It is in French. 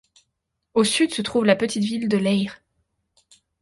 Au sud se trouve la petite ville de Lairg.